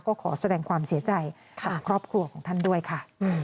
ก็ขอแสดงความเสียใจกับครอบครัวของท่านด้วยค่ะ